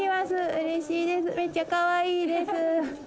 うれしいですめっちゃかわいいです。